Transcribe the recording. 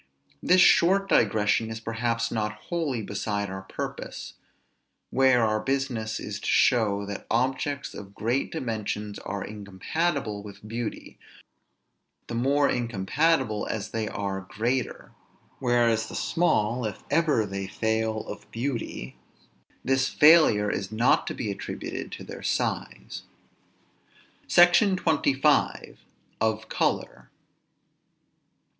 This short digression is perhaps not wholly beside our purpose, where our business is to show that objects of great dimensions are incompatible with beauty, the more incompatible as they are greater; whereas the small, if ever they fail of beauty, this failure is not to be attributed to their size. SECTION XXV. OF COLOR.